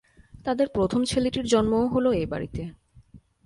তাদের প্রথম ছেলেটির জন্মও হল এ-বাড়িতে।